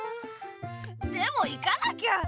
でも行かなきゃ！